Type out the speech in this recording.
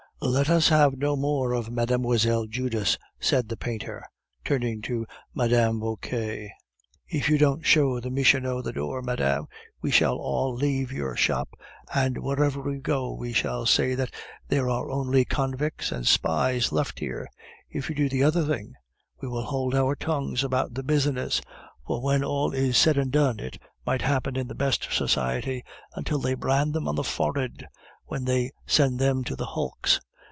"Let us have no more of Mlle. Judas," said the painter, turning to Mme. Vauquer. "If you don't show the Michonneau the door, madame, we shall all leave your shop, and wherever we go we shall say that there are only convicts and spies left there. If you do the other thing, we will hold our tongues about the business; for when all is said and done, it might happen in the best society until they brand them on the forehead, when they send them to the hulks.